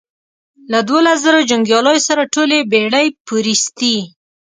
له دوولس زرو جنګیالیو سره ټولې بېړۍ پورېستې.